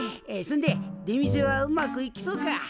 そんで出店はうまくいきそうか？